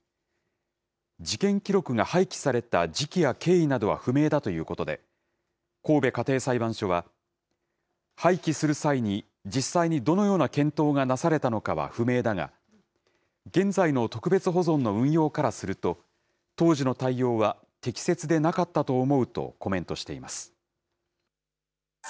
事件記録が廃棄された時期や経緯などは不明だということで、神戸家庭裁判所は、廃棄する際に実際にどのような検討がなされたのかは不明だが、現在の特別保存の運用からすると、当時の対応は適切でなかったと思うとコメントしています。